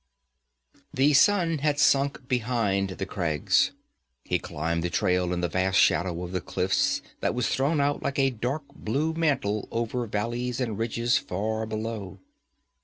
The sun had sunk behind the crags. He climbed the trail in the vast shadow of the cliffs that was thrown out like a dark blue mantle over valleys and ridges far below.